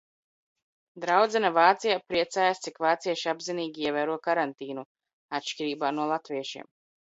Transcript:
Draudzene Vācijā priecājas, cik vācieši apzinīgi ievēro karantīnu, atšķirībā no latviešiem.